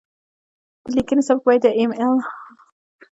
د لیکنې سبک باید د ایم ایل اې سره سم وي.